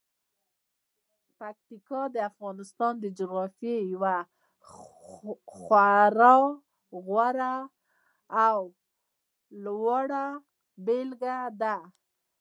پکتیکا د افغانستان د جغرافیې یوه خورا غوره او لوړه بېلګه ده.